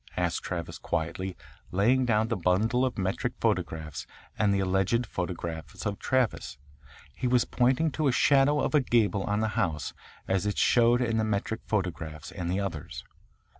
asked Kennedy quietly, laying down the bundle of metric photographs and the alleged photographs of Travis. He was pointing to a shadow of a gable on the house as it showed in the metric photographs and the others.